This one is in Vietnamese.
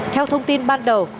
theo thông tin ban đầu